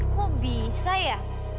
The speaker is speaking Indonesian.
kok bisa ya